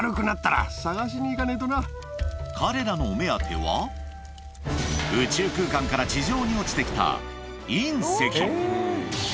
彼らのお目当ては宇宙空間から地上に落ちて来たで